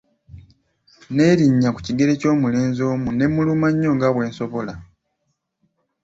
N'elinnya ku kigere ky'omulenzi omu, n'emuluma nnyo nga bw'esobola.